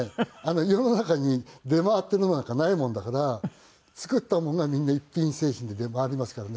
世の中に出回っているのなんかないもんだから作ったものはみんな一品製品で出回りますからね。